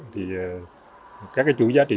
thì các cái chuỗi giá trị